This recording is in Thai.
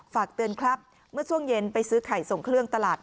ฝากเตือนครับเมื่อช่วงเย็นไปซื้อไข่ส่งเครื่องตลาด